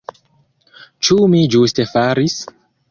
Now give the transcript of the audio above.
Ĉu mi ĝuste faris?